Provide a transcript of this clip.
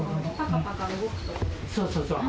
そうそう。